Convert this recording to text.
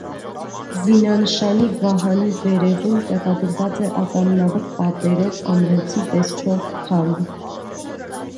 Զինանշանի վահանի վերևում տեղադրված է ատամնավոր պատերով ամրոցի տեսքով թագ։